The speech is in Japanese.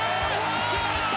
決まった！